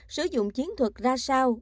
sử dụng chiến thuật ra sao